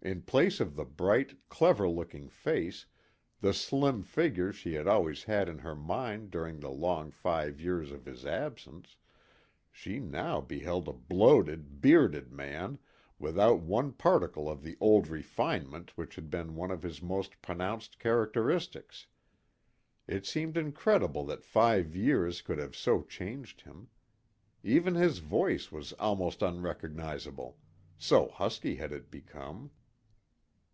In place of the bright, clever looking face, the slim figure she had always had in her mind during the long five years of his absence, she now beheld a bloated, bearded man, without one particle of the old refinement which had been one of his most pronounced characteristics. It seemed incredible that five years could have so changed him. Even his voice was almost unrecognizable, so husky had it become.